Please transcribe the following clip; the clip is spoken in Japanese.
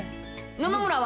野々村は？